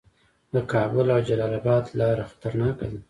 د کابل او جلال اباد لاره خطرناکه ده